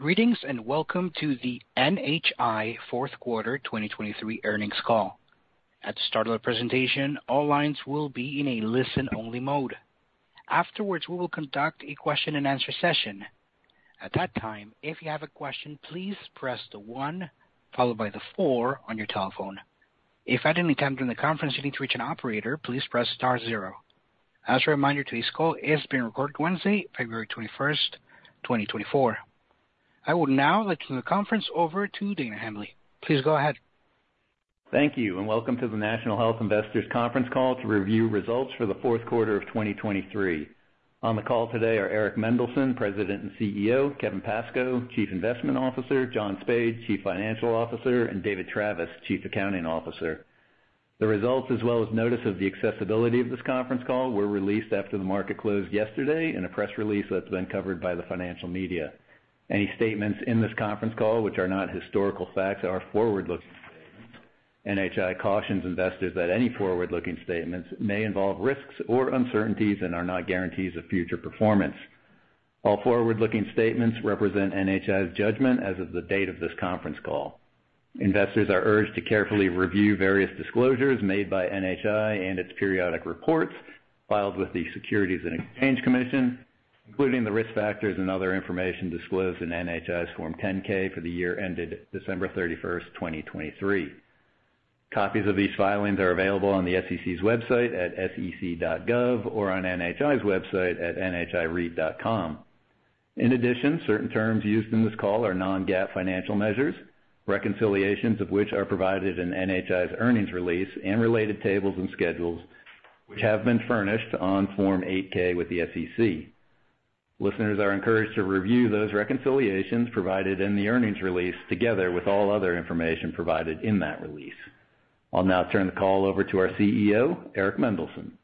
Greetings, and welcome to the NHI fourth quarter 2023 earnings call. At the start of the presentation, all lines will be in a listen-only mode. Afterwards, we will conduct a question-and-answer session. At that time, if you have a question, please press the one followed by the four on your telephone. If at any time during the conference you need to reach an operator, please press star zero. As a reminder, today's call is being recorded, Wednesday, February 21st, 2024. I will now turn the conference over to Dana Hentges. Please go ahead. Thank you, and welcome to the National Health Investors conference call to review results for the fourth quarter of 2023. On the call today are Eric Mendelsohn, President and CEO, Kevin Pascoe, Chief Investment Officer, John Spaid, Chief Financial Officer, and David Travis, Chief Accounting Officer. The results, as well as notice of the accessibility of this conference call, were released after the market closed yesterday in a press release that's been covered by the financial media. Any statements in this conference call, which are not historical facts, are forward-looking statements. NHI cautions investors that any forward-looking statements may involve risks or uncertainties and are not guarantees of future performance. All forward-looking statements represent NHI's judgment as of the date of this conference call. Investors are urged to carefully review various disclosures made by NHI and its periodic reports filed with the Securities and Exchange Commission, including the risk factors and other information disclosed in NHI's Form 10-K for the year ended December 31, 2023. Copies of these filings are available on the SEC's website at sec.gov or on NHI's website at nhireit.com. In addition, certain terms used in this call are non-GAAP financial measures, reconciliations of which are provided in NHI's earnings release and related tables and schedules, which have been furnished on Form 8-K with the SEC. Listeners are encouraged to review those reconciliations provided in the earnings release, together with all other information provided in that release. I'll now turn the call over to our CEO, Eric Mendelsohn.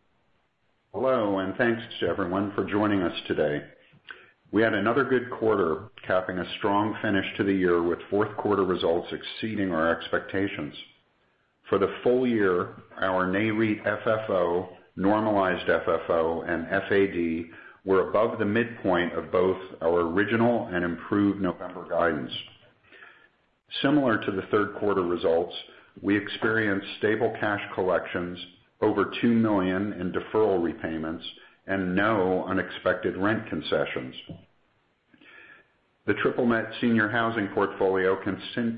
Hello, and thanks to everyone for joining us today. We had another good quarter, capping a strong finish to the year, with fourth quarter results exceeding our expectations. For the full year, our NAREIT FFO, normalized FFO, and FAD were above the midpoint of both our original and improved November guidance. Similar to the third quarter results, we experienced stable cash collections, over $2 million in deferral repayments, and no unexpected rent concessions. The triple net senior housing portfolio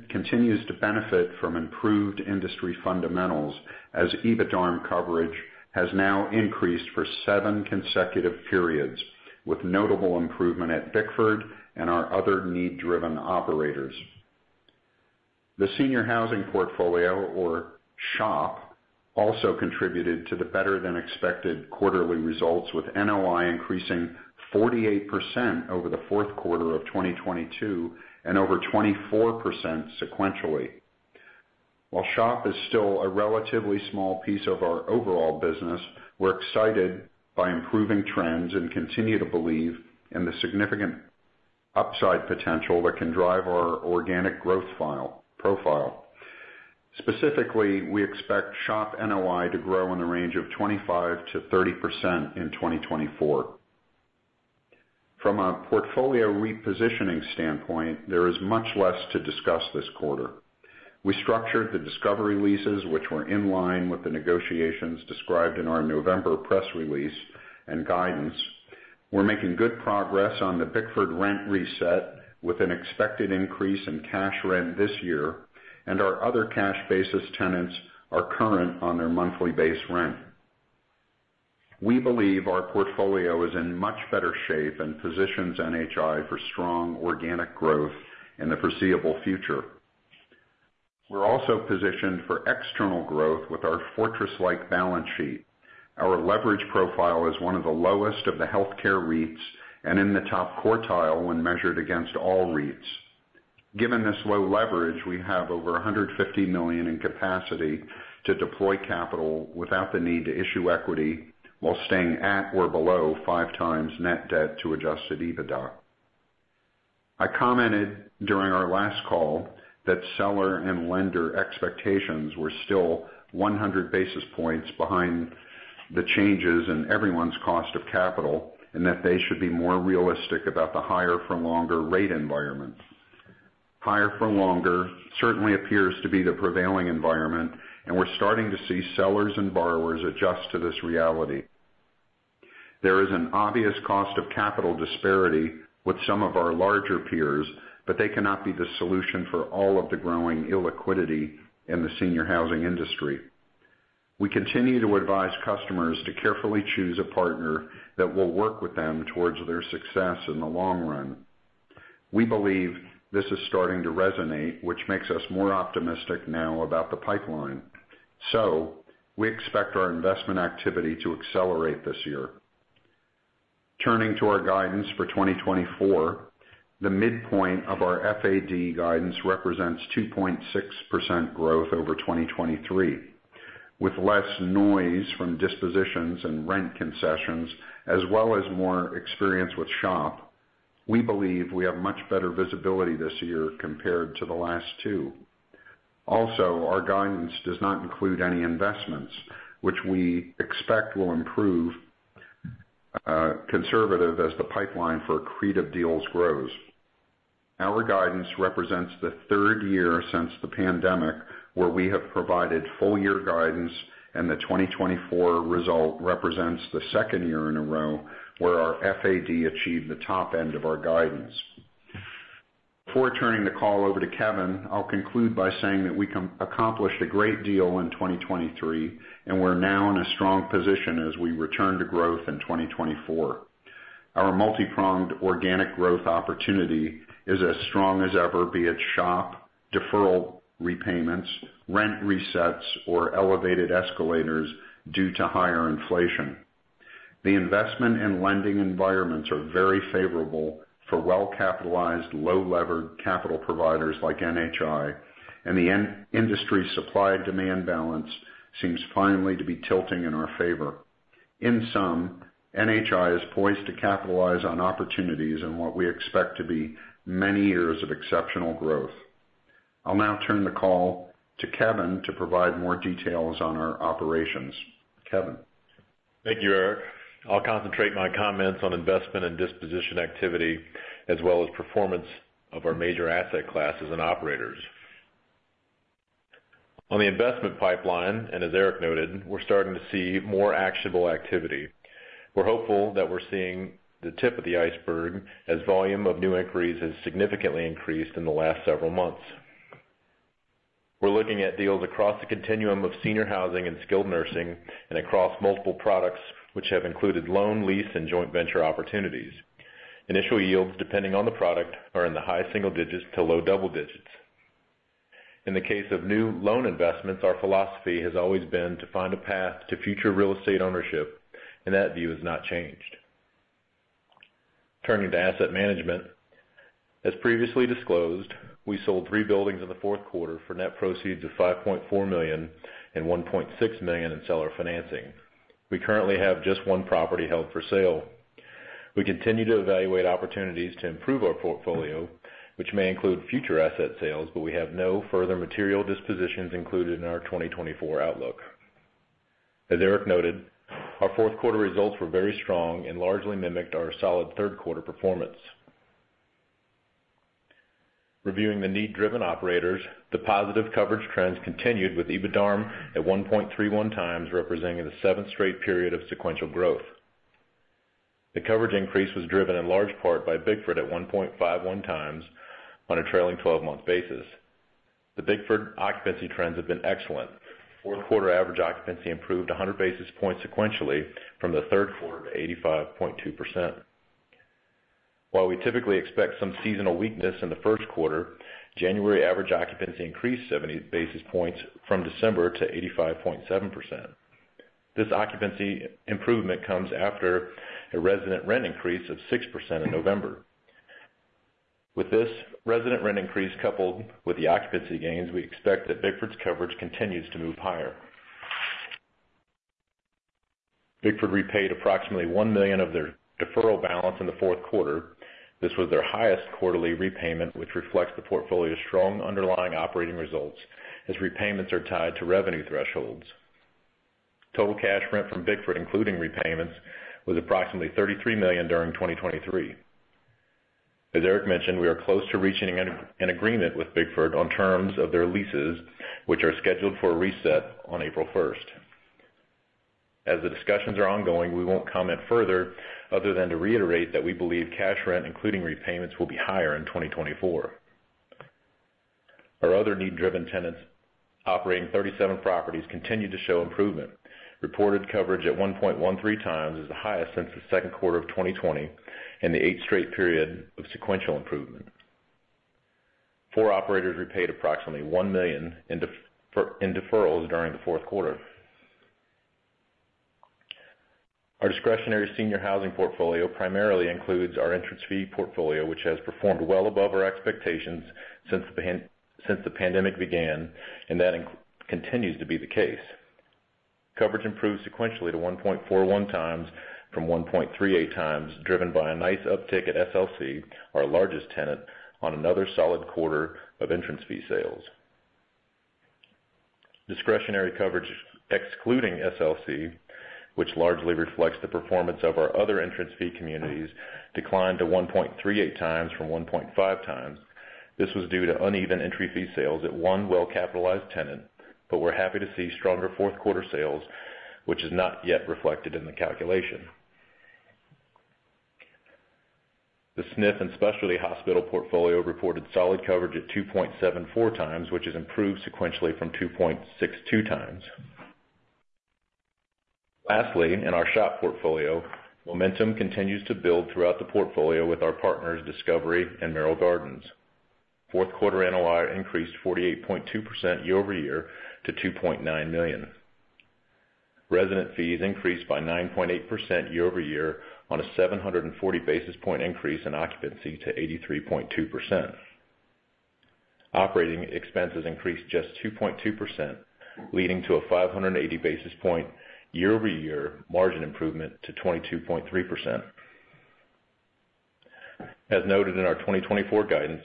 continues to benefit from improved industry fundamentals, as EBITDARM coverage has now increased for seven consecutive periods, with notable improvement at Bickford and our other need-driven operators. The senior housing portfolio, or SHOP, also contributed to the better-than-expected quarterly results, with NOI increasing 48% over the fourth quarter of 2022 and over 24% sequentially. While SHOP is still a relatively small piece of our overall business, we're excited by improving trends and continue to believe in the significant upside potential that can drive our organic growth profile. Specifically, we expect SHOP NOI to grow in the range of 25%-30% in 2024. From a portfolio repositioning standpoint, there is much less to discuss this quarter. We structured the Discovery leases, which were in line with the negotiations described in our November press release and guidance. We're making good progress on the Bickford rent reset, with an expected increase in cash rent this year, and our other cash-basis tenants are current on their monthly base rent. We believe our portfolio is in much better shape and positions NHI for strong organic growth in the foreseeable future. We're also positioned for external growth with our fortress-like balance sheet. Our leverage profile is one of the lowest of the healthcare REITs and in the top quartile when measured against all REITs. Given this low leverage, we have over $150 million in capacity to deploy capital without the need to issue equity, while staying at or below 5x net debt to Adjusted EBITDA. I commented during our last call that seller and lender expectations were still 100 basis points behind the changes in everyone's cost of capital, and that they should be more realistic about the higher for longer rate environment. Higher for longer certainly appears to be the prevailing environment, and we're starting to see sellers and borrowers adjust to this reality. There is an obvious cost of capital disparity with some of our larger peers, but they cannot be the solution for all of the growing illiquidity in the senior housing industry. We continue to advise customers to carefully choose a partner that will work with them towards their success in the long run. We believe this is starting to resonate, which makes us more optimistic now about the pipeline. So we expect our investment activity to accelerate this year. Turning to our guidance for 2024, the midpoint of our FAD guidance represents 2.6% growth over 2023. With less noise from dispositions and rent concessions, as well as more experience with SHOP, we believe we have much better visibility this year compared to the last two. Also, our guidance does not include any investments, which we expect will improve, conservative as the pipeline for accretive deals grows. Our guidance represents the third year since the pandemic, where we have provided full year guidance, and the 2024 result represents the second year in a row where our FAD achieved the top end of our guidance. Before turning the call over to Kevin, I'll conclude by saying that we accomplished a great deal in 2023, and we're now in a strong position as we return to growth in 2024. Our multipronged organic growth opportunity is as strong as ever, be it SHOP, deferral repayments, rent resets, or elevated escalators due to higher inflation. The investment and lending environments are very favorable for well-capitalized, low-levered capital providers like NHI, and the industry supply and demand balance seems finally to be tilting in our favor. In sum, NHI is poised to capitalize on opportunities in what we expect to be many years of exceptional growth. I'll now turn the call to Kevin to provide more details on our operations. Kevin? Thank you, Eric. I'll concentrate my comments on investment and disposition activity, as well as performance of our major asset classes and operators. On the investment pipeline, and as Eric noted, we're starting to see more actionable activity. We're hopeful that we're seeing the tip of the iceberg as volume of new inquiries has significantly increased in the last several months. We're looking at deals across the continuum of senior housing and skilled nursing, and across multiple products, which have included loan, lease, and joint venture opportunities. Initial yields, depending on the product, are in the high single digits to low double digits. In the case of new loan investments, our philosophy has always been to find a path to future real estate ownership, and that view has not changed. Turning to asset management. As previously disclosed, we sold three buildings in the fourth quarter for net proceeds of $5.4 million and $1.6 million in seller financing. We currently have just one property held for sale. We continue to evaluate opportunities to improve our portfolio, which may include future asset sales, but we have no further material dispositions included in our 2024 outlook. As Eric noted, our fourth quarter results were very strong and largely mimicked our solid third quarter performance. Reviewing the need-driven operators, the positive coverage trends continued, with EBITDARM at 1.31x, representing the seventh straight period of sequential growth. The coverage increase was driven in large part by Bickford at 1.51x on a trailing 12-month basis. The Bickford occupancy trends have been excellent. Fourth quarter average occupancy improved 100 basis points sequentially from the third quarter to 85.2%. While we typically expect some seasonal weakness in the first quarter, January average occupancy increased 70 basis points from December to 85.7%. This occupancy improvement comes after a resident rent increase of 6% in November. With this resident rent increase, coupled with the occupancy gains, we expect that Bickford's coverage continues to move higher. Bickford repaid approximately $1 million of their deferral balance in the fourth quarter. This was their highest quarterly repayment, which reflects the portfolio's strong underlying operating results, as repayments are tied to revenue thresholds. Total cash rent from Bickford, including repayments, was approximately $33 million during 2023. As Eric mentioned, we are close to reaching an agreement with Bickford on terms of their leases, which are scheduled for a reset on April 1. As the discussions are ongoing, we won't comment further, other than to reiterate that we believe cash rent, including repayments, will be higher in 2024. Our other need-driven tenants, operating 37 properties, continued to show improvement. Reported coverage at 1.13 times is the highest since the second quarter of 2020, and the eighth straight period of sequential improvement. Four operators repaid approximately $1 million in deferrals during the fourth quarter. Our discretionary senior housing portfolio primarily includes our entrance fee portfolio, which has performed well above our expectations since the pandemic began, and that continues to be the case. Coverage improved sequentially to 1.41x from 1.38x, driven by a nice uptick at SLC, our largest tenant, on another solid quarter of entrance fee sales. Discretionary coverage, excluding SLC, which largely reflects the performance of our other entrance fee communities, declined to 1.38x from 1.5x. This was due to uneven entrance fee sales at one well-capitalized tenant, but we're happy to see stronger fourth quarter sales, which is not yet reflected in the calculation. The SNF and specialty hospital portfolio reported solid coverage at 2.74x, which has improved sequentially from 2.62x. Lastly, in our SHOP portfolio, momentum continues to build throughout the portfolio with our partners, Discovery and Merrill Gardens. Fourth quarter NOI increased 48.2% year-over-year to $2.9 million. Resident fees increased by 9.8% year-over-year on a 740 basis point increase in occupancy to 83.2%. Operating expenses increased just 2.2%, leading to a 580 basis point year-over-year margin improvement to 22.3%. As noted in our 2024 guidance,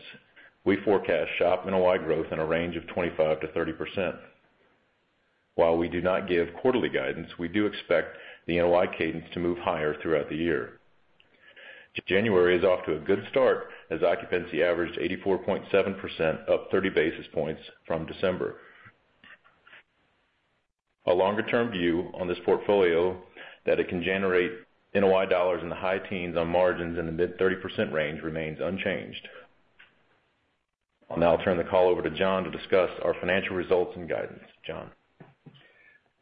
we forecast SHOP NOI growth in a range of 25%-30%. While we do not give quarterly guidance, we do expect the NOI cadence to move higher throughout the year. January is off to a good start, as occupancy averaged 84.7%, up 30 basis points from December. A longer-term view on this portfolio that it can generate NOI dollars in the high teens on margins in the mid-30% range remains unchanged. I'll now turn the call over to John to discuss our financial results and guidance.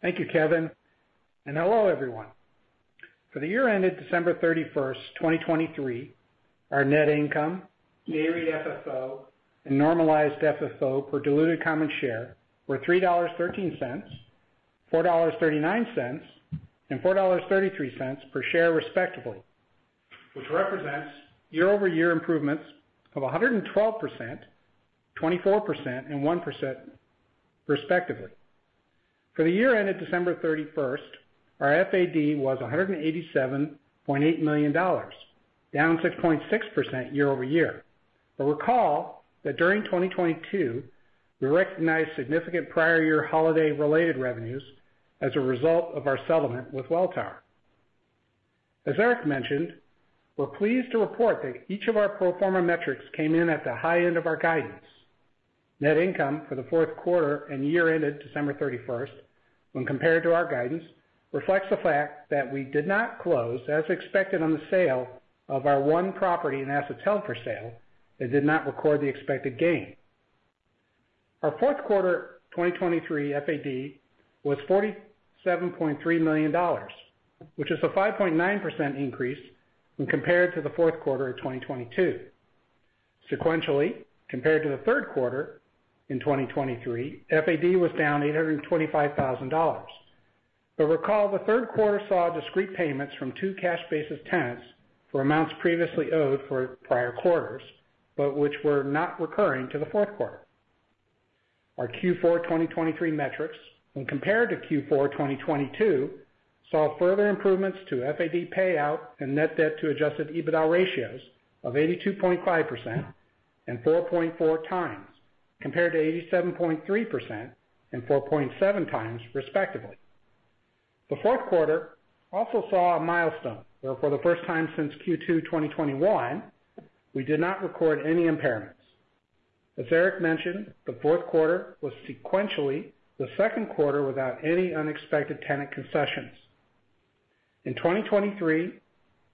John? Thank you, Kevin, and hello, everyone. For the year ended December 31, 2023, our net income, GAAP, FFO, and normalized FFO per diluted common share were $3.13, $4.39, and $4.33 per share, respectively, which represents year-over-year improvements of 112%, 24%, and 1%, respectively. For the year ended December 31, 2023, our FAD was $187.8 million, down 6.6% year over year. But recall that during 2022, we recognized significant prior year holiday-related revenues as a result of our settlement with Welltower. As Eric mentioned, we're pleased to report that each of our pro forma metrics came in at the high end of our guidance. Net income for the fourth quarter and year ended December 31st, when compared to our guidance, reflects the fact that we did not close, as expected, on the sale of our one property in assets held for sale and did not record the expected gain. Our fourth quarter 2023 FAD was $47.3 million, which is a 5.9% increase when compared to the fourth quarter of 2022. Sequentially, compared to the third quarter in 2023, FAD was down $825,000. But recall, the third quarter saw discrete payments from two cash basis tenants for amounts previously owed for prior quarters, but which were not recurring to the fourth quarter. Our Q4 2023 metrics, when compared to Q4 2022, saw further improvements to FAD payout and net debt to adjusted EBITDA ratios of 82.5% and 4.4x, compared to 87.3% and 4.7x, respectively. The fourth quarter also saw a milestone, where for the first time since Q2 2021, we did not record any impairments. As Eric mentioned, the fourth quarter was sequentially the second quarter without any unexpected tenant concessions. In 2023,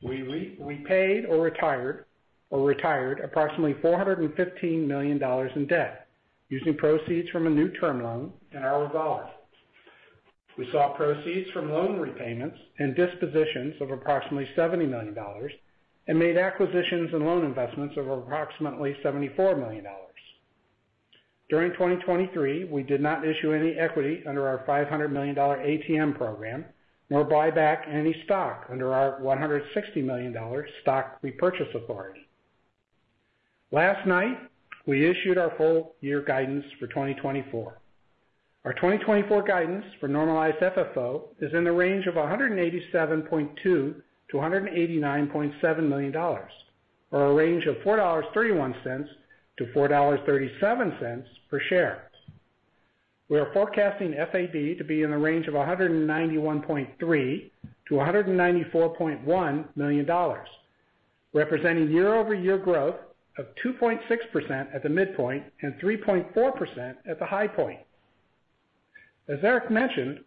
we paid or retired approximately $415 million in debt, using proceeds from a new term loan and our revolver. We saw proceeds from loan repayments and dispositions of approximately $70 million and made acquisitions and loan investments of approximately $74 million. During 2023, we did not issue any equity under our $500 million ATM program, nor buy back any stock under our $160 million stock repurchase authority. Last night, we issued our full-year guidance for 2024. Our 2024 guidance for normalized FFO is in the range of $187.2 million-$189.7 million, or a range of $4.31-$4.37 per share. We are forecasting FAD to be in the range of $191.3 million-$194.1 million, representing year-over-year growth of 2.6% at the midpoint and 3.4% at the high point. As Eric mentioned,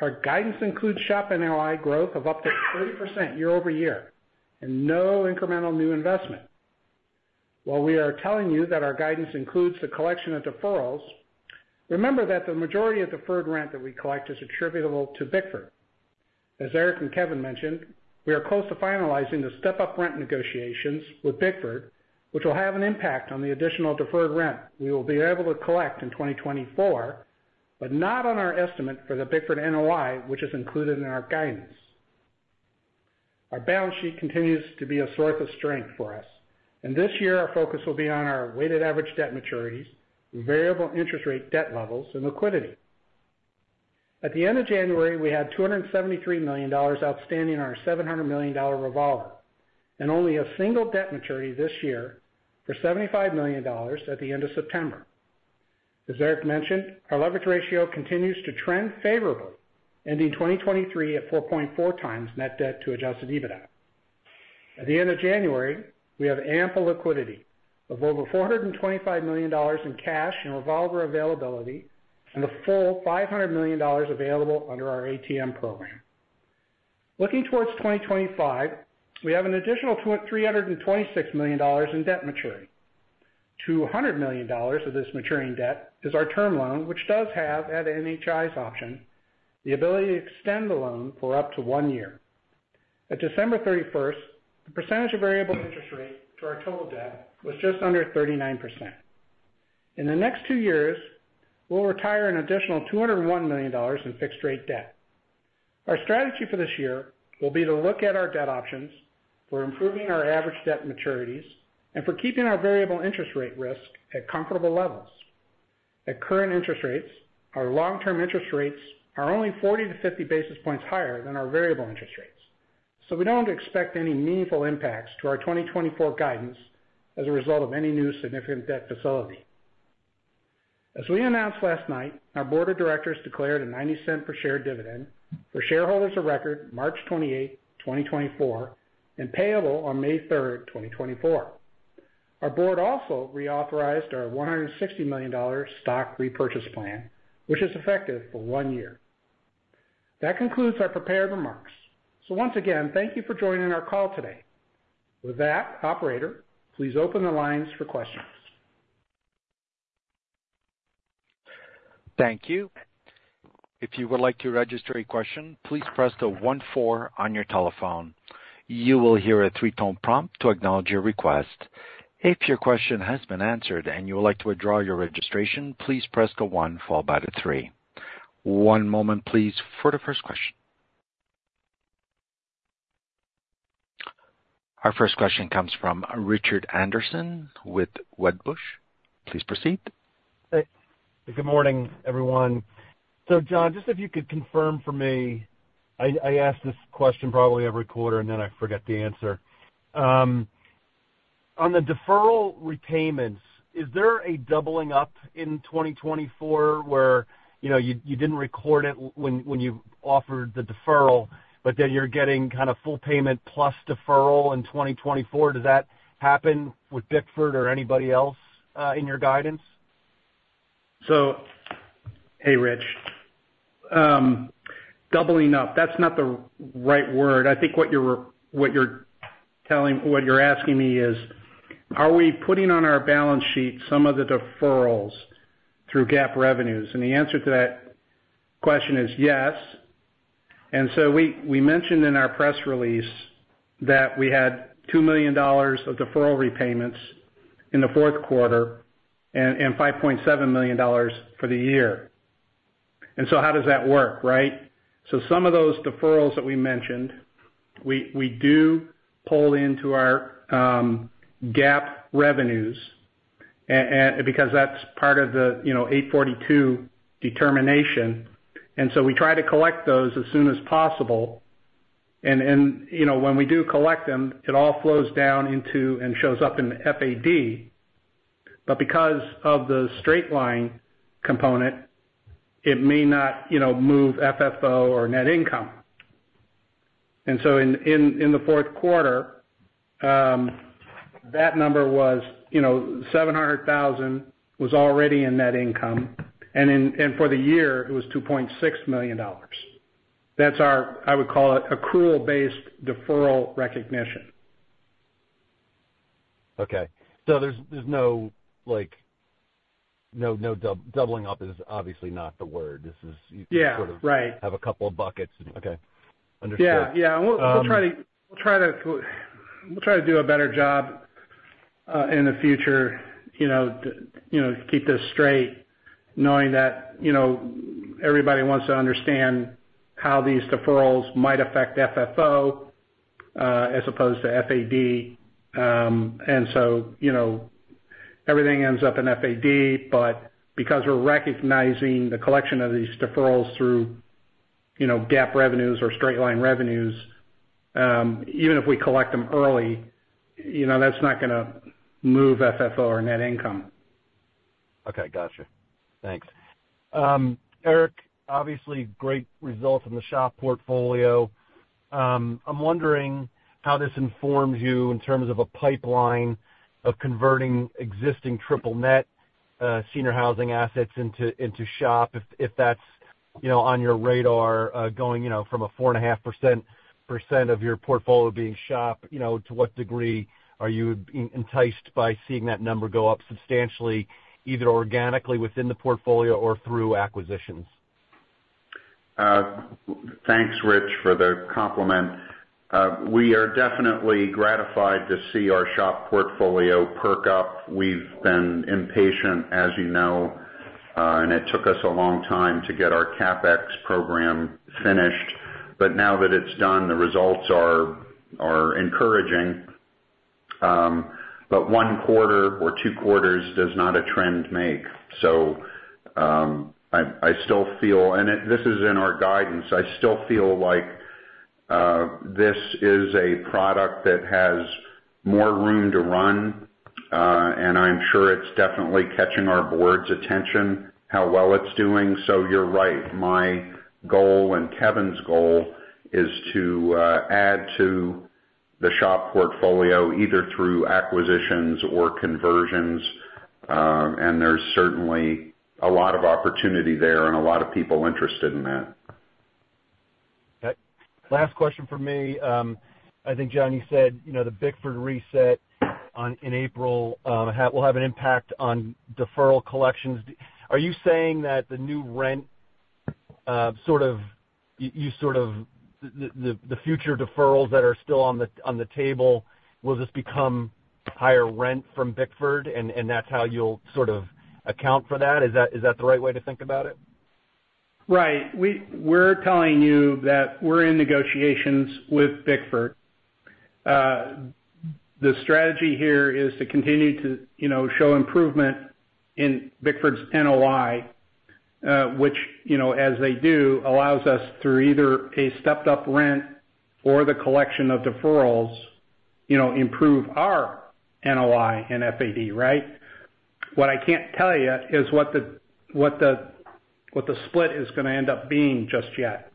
our guidance includes SHOP NOI growth of up to 30% year-over-year, and no incremental new investment. While we are telling you that our guidance includes the collection of deferrals, remember that the majority of deferred rent that we collect is attributable to Bickford. As Eric and Kevin mentioned, we are close to finalizing the step-up rent negotiations with Bickford, which will have an impact on the additional deferred rent we will be able to collect in 2024, but not on our estimate for the Bickford NOI, which is included in our guidance. Our balance sheet continues to be a source of strength for us, and this year, our focus will be on our weighted average debt maturities, variable interest rate debt levels, and liquidity. At the end of January, we had $273 million outstanding on our $700 million revolver, and only a single debt maturity this year for $75 million at the end of September. As Eric mentioned, our leverage ratio continues to trend favorably, ending 2023 at 4.4x net debt to adjusted EBITDA. At the end of January, we have ample liquidity of over $425 million in cash and revolver availability, and a full $500 million available under our ATM program. Looking towards 2025, we have an additional $326 million in debt maturing. $200 million of this maturing debt is our term loan, which does have, at NHI's option, the ability to extend the loan for up to 1 year. At December 31st, the percentage of variable interest rate to our total debt was just under 39%. In the next two years, we'll retire an additional $201 million in fixed rate debt. Our strategy for this year will be to look at our debt options for improving our average debt maturities and for keeping our variable interest rate risk at comfortable levels. At current interest rates, our long-term interest rates are only 40-50 basis points higher than our variable interest rates. So we don't expect any meaningful impacts to our 2024 guidance as a result of any new significant debt facility. As we announced last night, our board of directors declared a $0.90 per share dividend for shareholders of record, March 28, 2024, and payable on May 3, 2024. Our board also reauthorized our $160 million stock repurchase plan, which is effective for one year. That concludes our prepared remarks. So once again, thank you for joining our call today. With that, operator, please open the lines for questions. Thank you. If you would like to register a question, please press the one four on your telephone. You will hear a three-tone prompt to acknowledge your request. If your question has been answered and you would like to withdraw your registration, please press the one followed by the three. One moment, please, for the first question. Our first question comes from Richard Anderson with Wedbush. Please proceed. Hey, good morning, everyone. So John, just if you could confirm for me, I ask this question probably every quarter, and then I forget the answer. On the deferral repayments, is there a doubling up in 2024, where, you know, you didn't record it when you offered the deferral, but then you're getting kind of full payment plus deferral in 2024? Does that happen with Bickford or anybody else in your guidance? So, hey, Rich. Doubling up, that's not the right word. I think what you're asking me is, are we putting on our balance sheet some of the deferrals through GAAP revenues? And the answer to that question is yes. And so we mentioned in our press release that we had $2 million of deferral repayments in the fourth quarter and $5.7 million for the year. And so how does that work, right? So some of those deferrals that we mentioned, we do pull into our GAAP revenues, because that's part of the, you know, 842 determination. And so we try to collect those as soon as possible. And, you know, when we do collect them, it all flows down into and shows up in the FAD. But because of the straight line component, it may not, you know, move FFO or net income. And so in the fourth quarter, that number was, you know, $700,000 was already in net income, and for the year, it was $2.6 million. That's our, I would call it, accrual-based deferral recognition. Okay. So there's no, like, no doubling up is obviously not the word. Yeah, right. You sort of have a couple of buckets. Okay, understood. Yeah, yeah. We'll try to do a better job in the future, you know, to keep this straight, knowing that, you know, everybody wants to understand how these deferrals might affect FFO as opposed to FAD. And so, you know, everything ends up in FAD, but because we're recognizing the collection of these deferrals through, you know, GAAP revenues or straight-line revenues, even if we collect them early, you know, that's not gonna move FFO or net income. Okay, gotcha. Thanks. Eric, obviously, great results in the SHOP portfolio. I'm wondering how this informs you in terms of a pipeline of converting existing triple net, senior housing assets into, into SHOP, if, if that's, you know, on your radar, going, you know, from a 4.5% of your portfolio being SHOP, you know, to what degree are you enticed by seeing that number go up substantially, either organically within the portfolio or through acquisitions? Thanks, Rich, for the compliment. We are definitely gratified to see our SHOP portfolio perk up. We've been impatient, as you know, and it took us a long time to get our CapEx program finished. But now that it's done, the results are encouraging. But one quarter or two quarters does not a trend make. So, I still feel. And this is in our guidance. I still feel like this is a product that has more room to run, and I'm sure it's definitely catching our board's attention, how well it's doing. So you're right. My goal and Kevin's goal is to add to the SHOP portfolio, either through acquisitions or conversions. And there's certainly a lot of opportunity there and a lot of people interested in that. Okay. Last question for me. I think, John, you said, you know, the Bickford reset on, in April, will have an impact on deferral collections. Are you saying that the new rent, sort of you sort of the future deferrals that are still on the table, will just become higher rent from Bickford, and that's how you'll sort of account for that? Is that the right way to think about it? Right. We're telling you that we're in negotiations with Bickford. The strategy here is to continue to, you know, show improvement in Bickford's NOI, which, you know, as they do, allows us through either a stepped up rent or the collection of deferrals, you know, improve our NOI and FAD, right? What I can't tell you is what the split is gonna end up being just yet.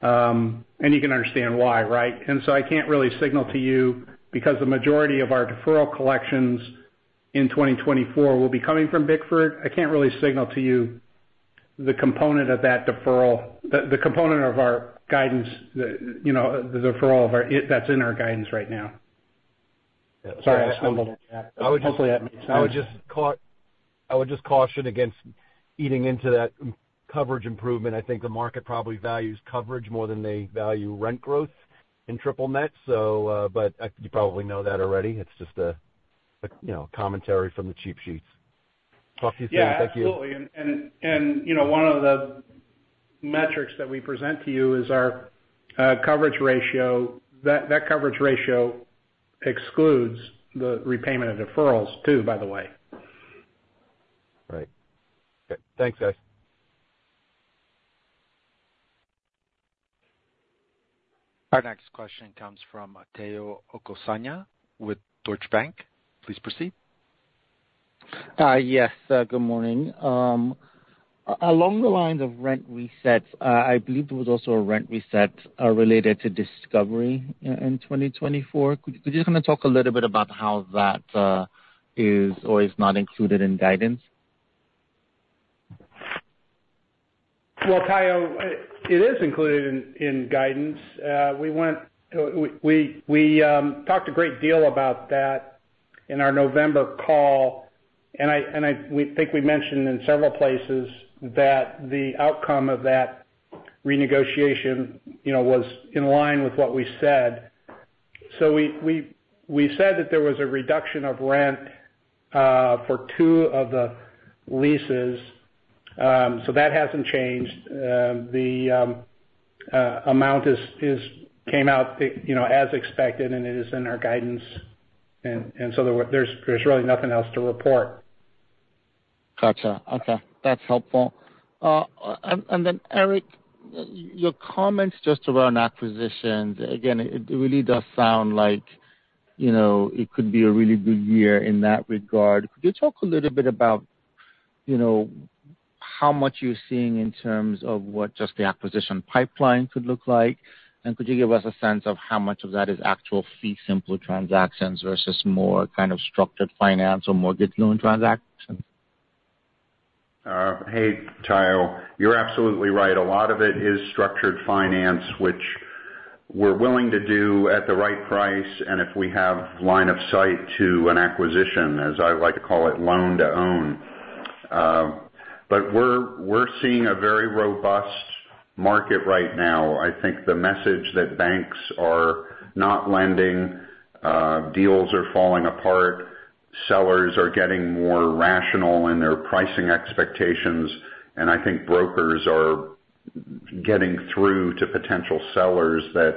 And you can understand why, right? And so I can't really signal to you because the majority of our deferral collections in 2024 will be coming from Bickford. I can't really signal to you the component of that deferral, the component of our guidance, you know, the deferral that's in our guidance right now. Sorry, I stumbled. I would just caution against eating into that coverage improvement. I think the market probably values coverage more than they value rent growth in triple net. So, but you probably know that already. It's just a, you know, commentary from the cheap seats. Talk to you soon. Thank you. Yeah, absolutely. And, you know, one of the metrics that we present to you is our coverage ratio. That coverage ratio excludes the repayment of deferrals too, by the way. Right. Okay. Thanks, guys. Our next question comes from Tayo Okusanya with Deutsche Bank. Please proceed. Yes, good morning. Along the lines of rent resets, I believe there was also a rent reset related to Discovery in 2024. Could you just kind of talk a little bit about how that is or is not included in guidance? Well, Tayo, it is included in guidance. We talked a great deal about that in our November call, and we think we mentioned in several places that the outcome of that renegotiation, you know, was in line with what we said. So we said that there was a reduction of rent for two of the leases, so that hasn't changed. The amount came out, you know, as expected, and it is in our guidance, and so there's really nothing else to report. Gotcha. Okay. That's helpful. And then Eric, your comments just around acquisitions, again, it really does sound like, you know, it could be a really good year in that regard. Could you talk a little bit about, you know, how much you're seeing in terms of what just the acquisition pipeline could look like? And could you give us a sense of how much of that is actual fee simple transactions versus more kind of structured finance or mortgage loan transactions? Hey, Tayo. You're absolutely right. A lot of it is structured finance, which we're willing to do at the right price, and if we have line of sight to an acquisition, as I like to call it, loan to own. But we're seeing a very robust market right now. I think the message that banks are not lending, deals are falling apart, sellers are getting more rational in their pricing expectations, and I think brokers are getting through to potential sellers that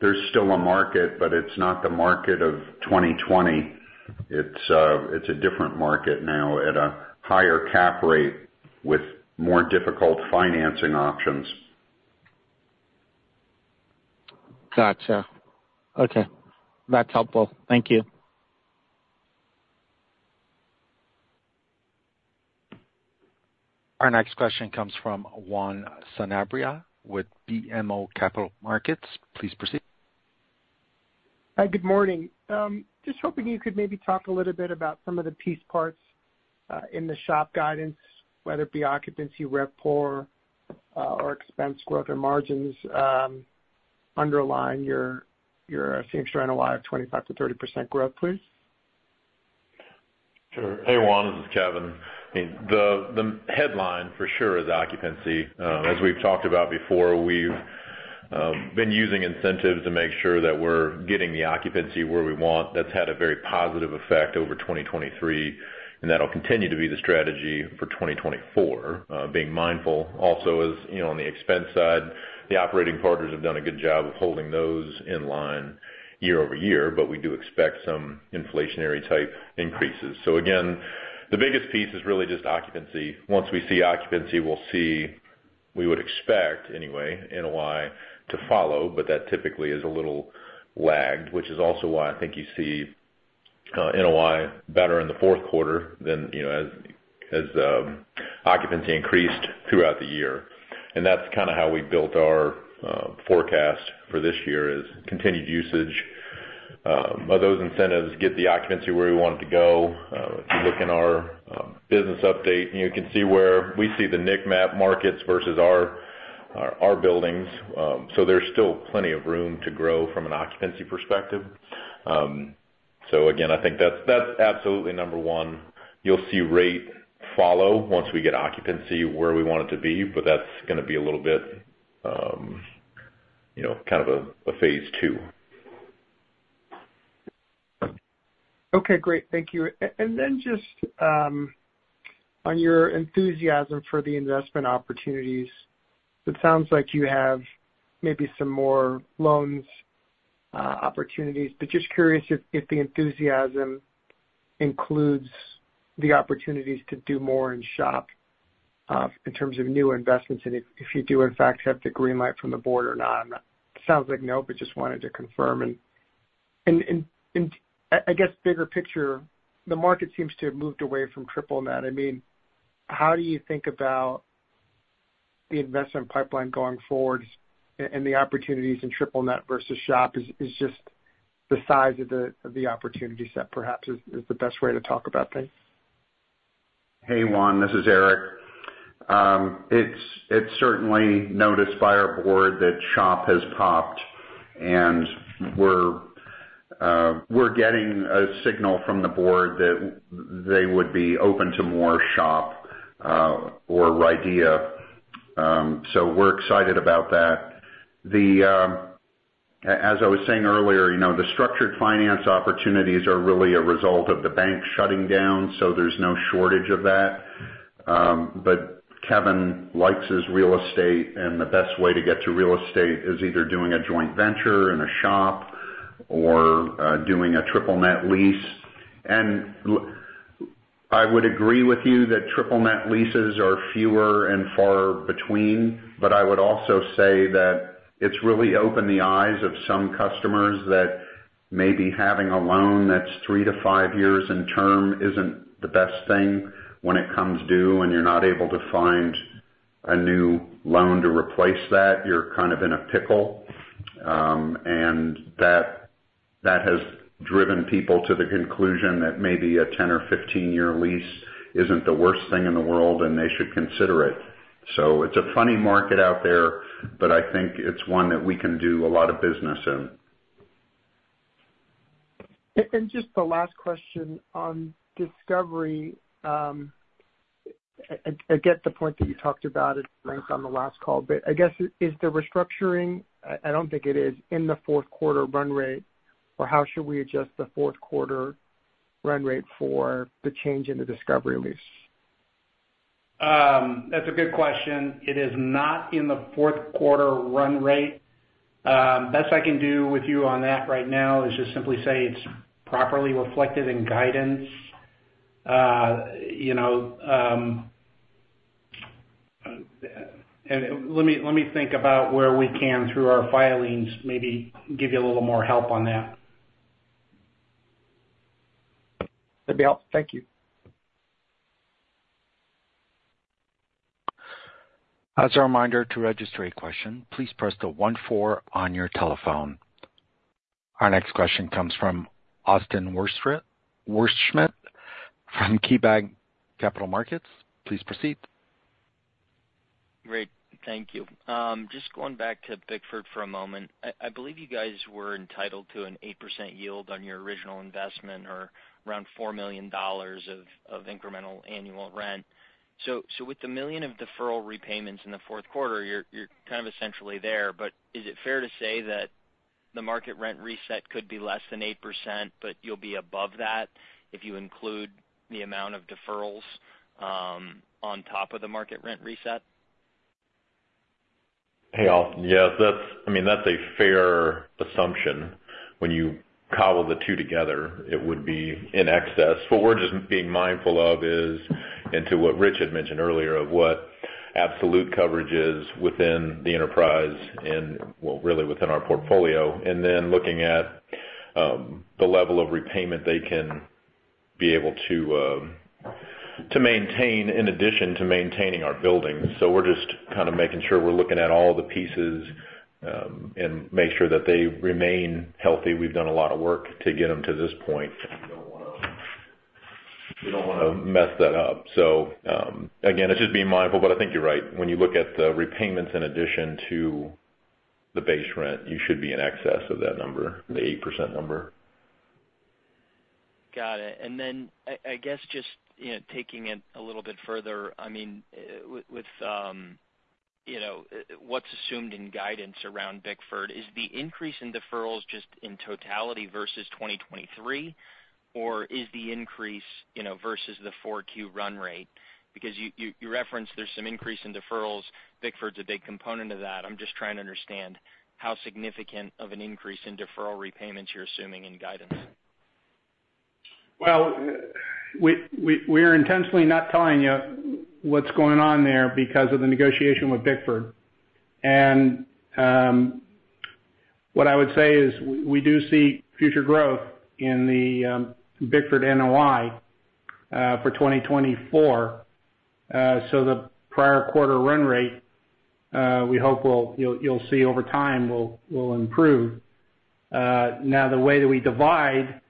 there's still a market, but it's not the market of 2020. It's a different market now at a higher cap rate with more difficult financing options. Gotcha. Okay. That's helpful. Thank you. Our next question comes from Juan Sanabria with BMO Capital Markets. Please proceed. Hi, good morning. Just hoping you could maybe talk a little bit about some of the piece parts in the SHOP guidance, whether it be occupancy, RevPOR, or expense growth and margins, underlying your, your same store NOI of 25%-30% growth, please. Sure. Hey, Juan, this is Kevin. I mean, the headline for sure is occupancy. As we've talked about before, we've been using incentives to make sure that we're getting the occupancy where we want. That's had a very positive effect over 2023, and that'll continue to be the strategy for 2024. Being mindful also, as you know, on the expense side, the operating partners have done a good job of holding those in line year-over-year, but we do expect some inflationary type increases. So again, the biggest piece is really just occupancy. Once we see occupancy, we'll see, we would expect anyway, NOI to follow, but that typically is a little lagged, which is also why I think you see, NOI better in the fourth quarter than, you know, as, as, occupancy increased throughout the year. That's kind of how we built our forecast for this year is continued usage of those incentives, get the occupancy where we want it to go. If you look in our business update, you can see where we see the NIC MAP markets versus our buildings. So there's still plenty of room to grow from an occupancy perspective. So again, I think that's absolutely number one. You'll see rate follow once we get occupancy where we want it to be, but that's gonna be a little bit, you know, kind of a phase two. Okay, great. Thank you. And then just on your enthusiasm for the investment opportunities, it sounds like you have maybe some more loans opportunities, but just curious if the enthusiasm includes the opportunities to do more in SHOP in terms of new investments and if you do, in fact, have the green light from the board or not? Sounds like no, but just wanted to confirm. And I guess, bigger picture, the market seems to have moved away from triple net. I mean, how do you think about the investment pipeline going forward and the opportunities in triple net versus SHOP is just the size of the opportunity set, perhaps is the best way to talk about things? Hey, Juan, this is Eric. It's certainly noticed by our board that SHOP has popped, and we're getting a signal from the board that they would be open to more SHOP or RIDEA. So we're excited about that. As I was saying earlier, you know, the structured finance opportunities are really a result of the bank shutting down, so there's no shortage of that. But Kevin likes his real estate, and the best way to get to real estate is either doing a joint venture in a SHOP or doing a triple net lease. I would agree with you that triple-net leases are fewer and far between, but I would also say that it's really opened the eyes of some customers that maybe having a loan that's three to five years in term isn't the best thing when it comes due, and you're not able to find a new loan to replace that, you're kind of in a pickle. And that, that has driven people to the conclusion that maybe a 10- or 15-year lease isn't the worst thing in the world, and they should consider it. So it's a funny market out there, but I think it's one that we can do a lot of business in. And then just the last question on Discovery. I get the point that you talked about it, I think, on the last call, but I guess, is the restructuring, I don't think it is, in the fourth quarter run rate, or how should we adjust the fourth quarter run rate for the change in the Discovery lease? That's a good question. It is not in the fourth quarter run rate. Best I can do with you on that right now is just simply say it's properly reflected in guidance. You know, and let me think about where we can, through our filings, maybe give you a little more help on that. That'd be all. Thank you. As a reminder, to register a question, please press the 14 on your telephone. Our next question comes from Austin Wurschmidt from KeyBanc Capital Markets. Please proceed. Great, thank you. Just going back to Bickford for a moment. I believe you guys were entitled to an 8% yield on your original investment or around $4 million of incremental annual rent. So with the $1 million of deferral repayments in the fourth quarter, you're kind of essentially there, but is it fair to say that the market rent reset could be less than 8%, but you'll be above that if you include the amount of deferrals on top of the market rent reset? Hey, Austin. Yes, that's—I mean, that's a fair assumption. When you cobble the two together, it would be in excess. What we're just being mindful of is, and to what Rich had mentioned earlier, of what absolute coverage is within the enterprise and, well, really within our portfolio, and then looking at the level of repayment they can be able to maintain in addition to maintaining our buildings. So we're just kind of making sure we're looking at all the pieces and make sure that they remain healthy. We've done a lot of work to get them to this point. We don't wanna, we don't wanna mess that up. So, again, it's just being mindful, but I think you're right. When you look at the repayments in addition to the base rent, you should be in excess of that number, the 8% number. Got it. And then, you know, taking it a little bit further, I mean, with, you know, what's assumed in guidance around Bickford, is the increase in deferrals just in totality versus 2023, or is the increase, you know, versus the 4Q run rate? Because you referenced there's some increase in deferrals, Bickford's a big component of that. I'm just trying to understand how significant of an increase in deferral repayments you're assuming in guidance. Well, we're intentionally not telling you what's going on there because of the negotiation with Bickford. And, what I would say is we do see future growth in the Bickford NOI for 2024. So the prior quarter run rate, we hope will you'll see over time, will improve. Now, the way that we divide,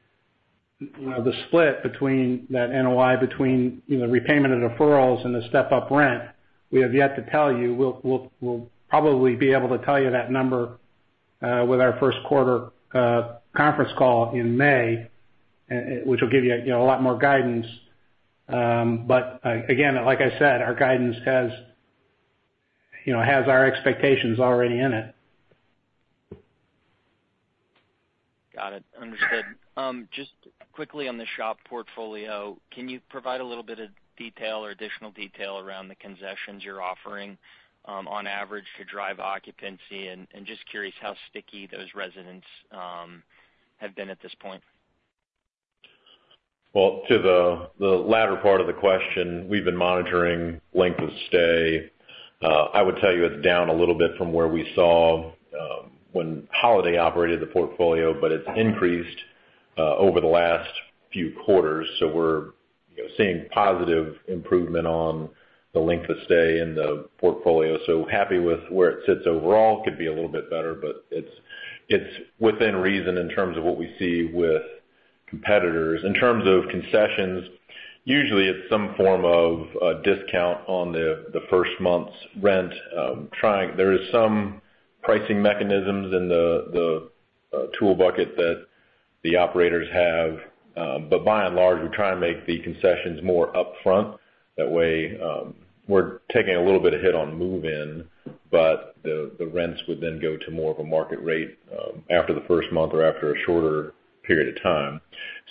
you know, the split between that NOI, you know, repayment of deferrals and the step-up rent, we have yet to tell you. We'll probably be able to tell you that number with our first quarter conference call in May, which will give you, you know, a lot more guidance. But, again, like I said, our guidance has you know, has our expectations already in it. Got it. Understood. Just quickly on the SHOP portfolio, can you provide a little bit of detail or additional detail around the concessions you're offering, on average, to drive occupancy? And just curious how sticky those residents have been at this point. Well, to the latter part of the question, we've been monitoring length of stay. I would tell you it's down a little bit from where we saw when Holiday operated the portfolio, but it's increased over the last few quarters. So we're, you know, seeing positive improvement on the length of stay in the portfolio. So happy with where it sits overall. Could be a little bit better, but it's within reason in terms of what we see with competitors. In terms of concessions, usually it's some form of a discount on the first month's rent. There is some pricing mechanisms in the tool bucket that the operators have, but by and large, we're trying to make the concessions more upfront. That way, we're taking a little bit of hit on move-in, but the rents would then go to more of a market rate, after the first month or after a shorter period of time.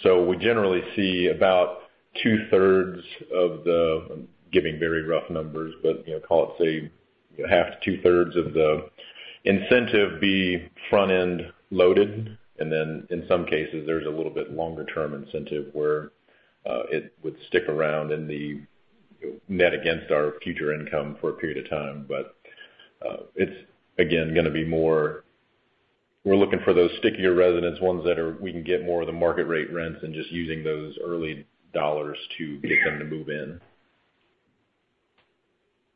So we generally see about two-thirds of the... I'm giving very rough numbers, but, you know, call it, say, 1/2 to 2/3 of the incentive be front-end loaded, and then in some cases, there's a little bit longer term incentive where, it would stick around in the net against our future income for a period of time. But, it's again, gonna be more... We're looking for those stickier residents, ones that are, we can get more of the market rate rents than just using those early dollars to get them to move in.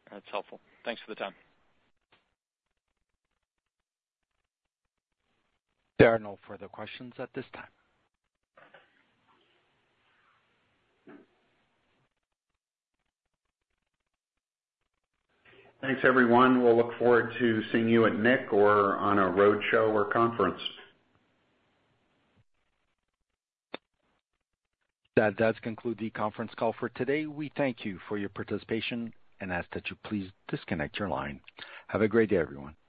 That's helpful. Thanks for the time. There are no further questions at this time. Thanks, everyone. We'll look forward to seeing you at NIC or on a roadshow or conference. That does conclude the conference call for today. We thank you for your participation and ask that you please disconnect your line. Have a great day, everyone.